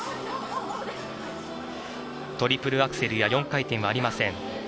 トリプルアクセルや４回転はありません。